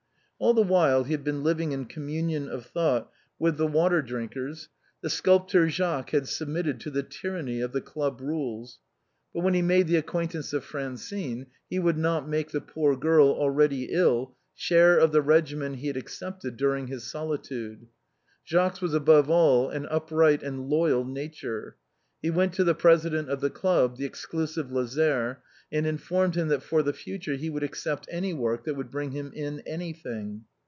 All the while he had been living in communion of thought with the Water drinkers, the sculptor Jacques had submitted to the tyranny of the club rules; but when he made the acquaintance of Francine, he would not make the poor girl, already ill, share of the regimen he had accepted during his solitude. Jacques's was above all an upright and loyal nature. He went to the president of the club, the exclusive Lazare, and informed him that for the future he would accept any work that would bring him in anything.